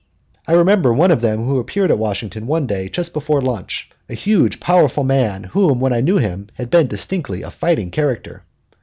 I remember one of them who appeared at Washington one day just before lunch, a huge, powerful man who, when I knew him, had been distinctly a fighting character.